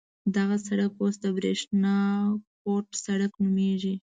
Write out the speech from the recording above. دغه سړک اوس د برېښنا کوټ سړک نومېږي.